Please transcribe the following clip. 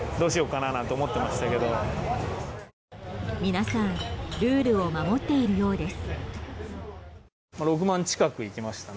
皆さんルールを守っているようです。